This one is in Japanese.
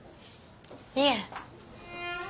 いえ。